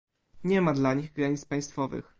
Nie ma dla nich granic państwowych